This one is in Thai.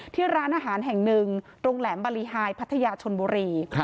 ที่ร้านอาหารแห่งหนึ่งโรงแรมบารีไฮพัทยาชนบุรี